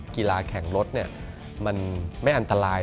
กีฬาแข่งรถมันไม่อันตราย